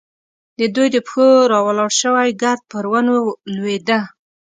د دوی د پښو راولاړ شوی ګرد پر ونو لوېده.